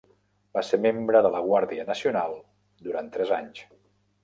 Va ser membre de la Guàrdia nacional durant tres anys.